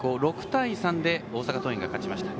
６対３で大阪桐蔭が勝ちました。